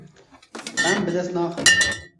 Em bi dest naxin.